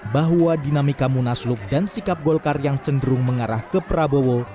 bahwa dinamika munaslup dan sikap golkar yang cenderung mengarah ke prabowo